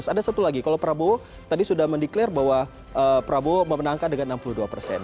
ada satu lagi kalau prabowo tadi sudah mendeklarasi bahwa prabowo memenangkan dengan enam puluh dua persen